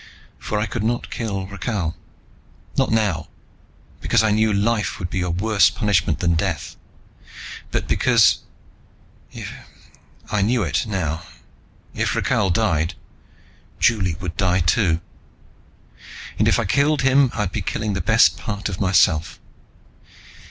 For I could not kill Rakhal. Not, now, because I knew life would be a worse punishment than death. But because I knew it, now if Rakhal died, Juli would die, too. And if I killed him I'd be killing the best part of myself.